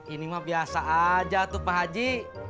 ini mah biasa aja tuh pak haji